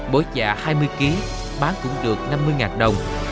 mỗi giả hai mươi kg bán cũng được năm mươi đồng